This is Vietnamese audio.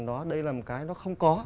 đó đây là một cái nó không có